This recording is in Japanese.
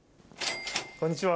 こんにちは。